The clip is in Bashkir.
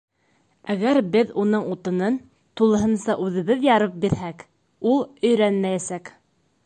Әгәр беҙ уның утынын тулыһынса үҙебеҙ ярып бирһәк, ул өйрәнмәйәсәк.